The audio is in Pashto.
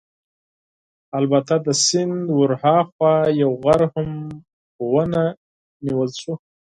البته د سیند ورهاخوا یو غر هم ونه نیول شو.